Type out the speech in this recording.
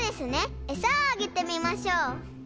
えさをあげてみましょう。